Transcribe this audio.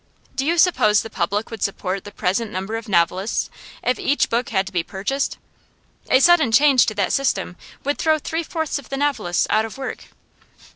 Do you suppose the public would support the present number of novelists if each book had to be purchased? A sudden change to that system would throw three fourths of the novelists out of work.